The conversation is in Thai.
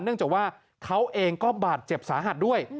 เนื่องจากว่าเขาเองก็บาดเจ็บสาหัสด้วย